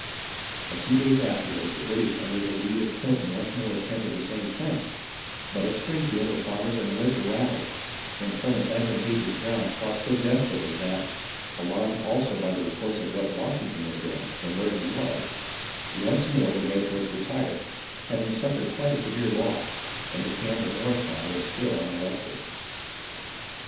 A few days afterward, the British under the lead of Clinton once more attempted the same thing ; but at Springfield the farmers and militia rallied, and from an advantageous ground fought so desperately that, alarmed also by the reports of what Washington was doing and where he was, once more the redcoats retired, having suffered quite a severe loss, and the camp at Morristown was still unmolested.